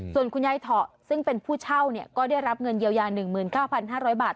ส่วนคุณยายเถาะซึ่งเป็นผู้เช่าก็ได้รับเงินเยียวยา๑๙๕๐๐บาท